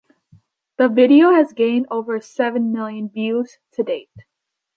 The video has gained over seven million views to date.